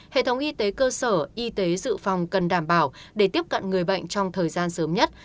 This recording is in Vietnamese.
hệ thống y tế cơ sở y tế dự phòng cần đảm bảo để tiếp cận người bệnh trong thời gian sớm nhất